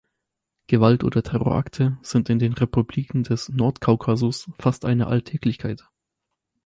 Gewaltoder Terrorakte sind in den Republiken des Nordkaukasus fast eine Alltäglichkeit.